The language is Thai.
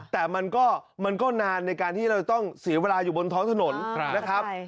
แต่มันก็นานในการที่เราจะต้องเสียเวลาอยู่บนท้องถนนนะครับ